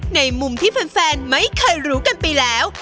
ในมุมที่แฟนไม่เคยรู้กันไปแล้ว